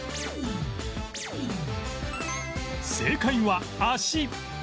正解は足